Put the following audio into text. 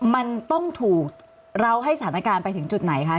มันต้องถูกเราให้สถานการณ์ไปถึงจุดไหนคะ